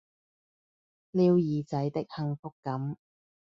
撩耳仔的幸福感